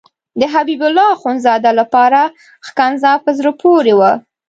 د حبیب اخندزاده لپاره ښکنځا په زړه پورې وه.